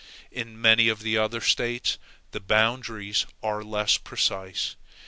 In many of the other States the boundaries are less precise.